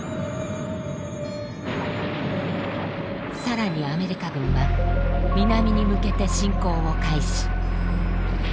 さらにアメリカ軍は南に向けて侵攻を開始。